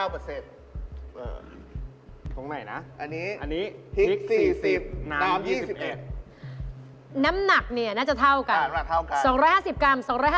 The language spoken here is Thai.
ตรงไหนนะพริก๔๐น้ำ๒๑น้ำหนักเนี่ยน่าจะเท่ากัน